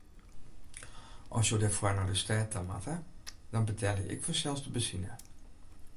As jo derfoar nei de stêd ta moatte, dan betelje ik fansels de benzine.